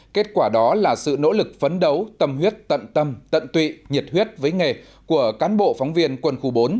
kết quả đó là sự nỗ lực phấn đấu tâm huyết tận tâm tận tụy nhiệt huyết với nghề của cán bộ phóng viên quân khu bốn